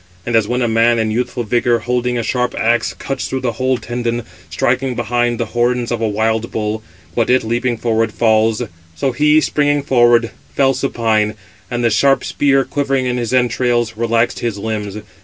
And as when a man in youthful vigour, holding a sharp axe, cuts through the whole tendon, striking behind the horns of a wild bull; but it, leaping forward, falls; so he, springing forward, fell supine; and the sharp spear, quivering in his entrails, relaxed his limbs.